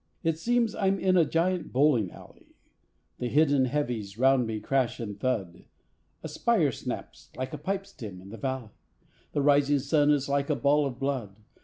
It seems I'm in a giant bowling alley; The hidden heavies round me crash and thud; A spire snaps like a pipe stem in the valley; The rising sun is like a ball of blood.